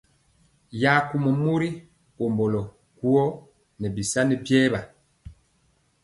Ya kumɔ mori komblo guó nɛ bisani biewa.